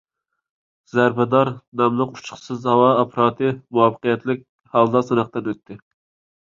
«زەربىدار» ناملىق ئۇچقۇچىسىز ھاۋا ئاپپاراتى مۇۋەپپەقىيەتلىك ھالدا سىناقتىن ئۆتتى.